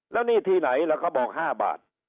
แล้วนี่ที่ไหนล่ะเขาบอก๕บาท